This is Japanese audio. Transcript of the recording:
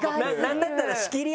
なんだったら仕切りある。